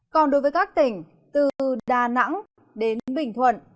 còn đối với các tỉnh từ đà nẵng đến bình thuận